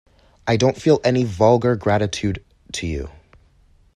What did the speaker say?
I don't feel any vulgar gratitude to you.